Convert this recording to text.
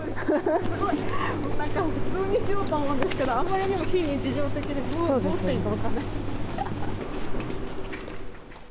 もうなんか普通にしようと思うんですけどあんまりにも非日常的でどうしていいか分かんない。